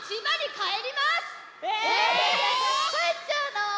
⁉かえっちゃうの？